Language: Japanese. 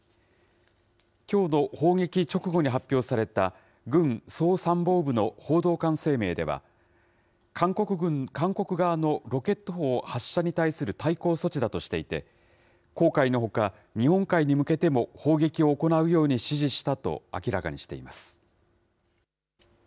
きょうの砲撃直後に発表された軍総参謀部の報道官声明では、韓国側のロケット砲発射に対する対抗措置だとしていて、黄海のほか、日本海に向けても砲撃を行うように指示したと明らかにしています。